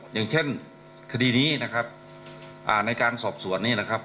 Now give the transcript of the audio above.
อย่างเช่นคดีนี้นะครับในการสอบสวนนี้นะครับ